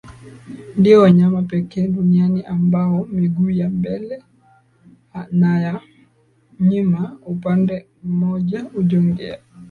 Ndio wanyama pekee duniani ambao miguu ya mbele naya nyima ya upande mmoja hujongea